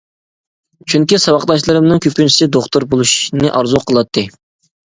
چۈنكى ساۋاقداشلىرىمنىڭ كۆپىنچىسى دوختۇر بولۇشنى ئارزۇ قىلاتتى.